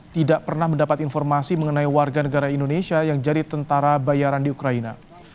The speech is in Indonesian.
tidak pernah mendapat informasi mengenai warga negara indonesia yang jadi tentara bayaran di ukraina